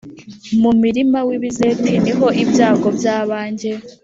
Mu murima wimizeti niho ibyago byabanjye